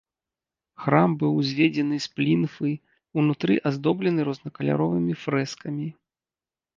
Храм быў узведзены з плінфы, унутры аздоблены рознакаляровымі фрэскамі.